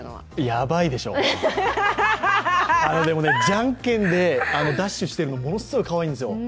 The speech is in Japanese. やばいでしょう、じゃんけんでダッシュしてるのものすごくかわいいんですよ。